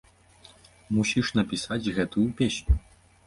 Мусіш напісаць гэтую песню!